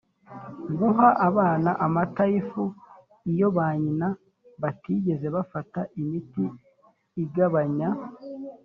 guha abana amata y ifu iyo ba nyina batigeze bafata imiti igabanya